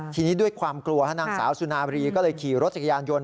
ทีนี้ด้วยความกลัวนางสาวสุนารีก็เลยขี่รถจักรยานยนต